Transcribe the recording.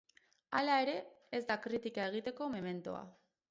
Hala ere, ez da kritika egiteko mementoa.